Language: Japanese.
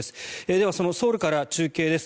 ではそのソウルから中継です。